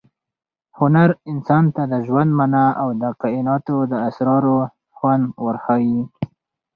هنر انسان ته د ژوند مانا او د کائناتو د اسرارو خوند ورښيي.